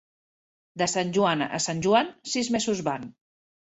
De Sant Joan a Sant Joan, sis mesos van.